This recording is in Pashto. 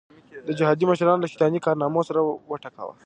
د جهادي مشرانو له شیطاني کارنامو سر وټکاوه.